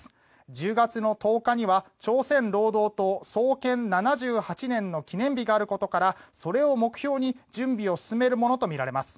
１０月の１０日には朝鮮労働党創建７８年の記念日があることからそれを目標に準備を進めるものとみられます。